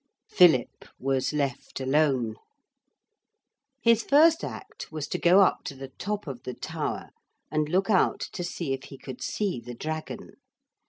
Philip was left alone. His first act was to go up to the top of the tower and look out to see if he could see the dragon.